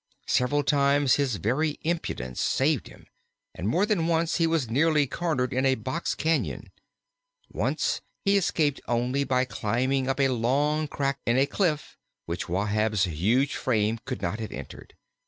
Several times his very impudence saved him, and more than once he was nearly cornered in a box cañon. Once he escaped only by climbing up a long crack in a cliff, which Wahb's huge frame could not have entered.